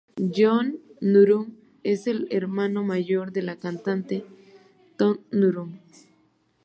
John Norum es el hermano mayor de la cantante Tone Norum.